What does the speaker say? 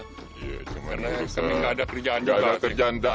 karena urusan ini nggak ada kerjaan juga